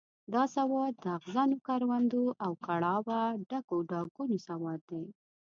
دا سواد د اغزنو کروندو او کړاوه ډکو ډاګونو سواد دی.